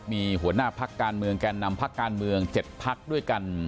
มีหัวหน้าภักดิ์การเมืองแกนนำภักดิ์การเมืองเจ็ดภักดิ์ด้วยกัน